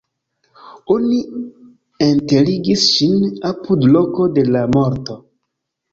Oni enterigis ŝin apud loko de la morto.